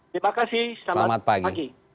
terima kasih selamat pagi